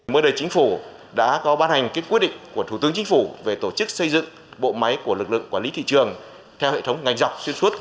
mới đây chính phủ đã có ban hành quyết định của thủ tướng chính phủ về tổ chức xây dựng bộ máy của lực lượng quản lý thị trường theo hệ thống ngành dọc xuyên suốt